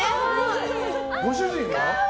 ご主人は？